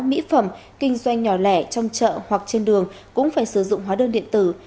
mỹ phẩm kinh doanh nhỏ lẻ trong chợ hoặc trên đường cũng phải sử dụng hóa đơn điện tử